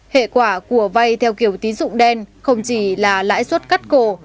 hệ quả của vay theo kiểu tín dụng đen không chỉ là lãi suất cắt cổ